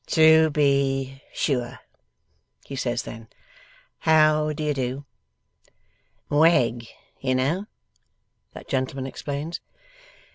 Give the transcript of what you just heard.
'To be SURE!' he says, then. 'How do you do?' 'Wegg, you know,' that gentleman explains.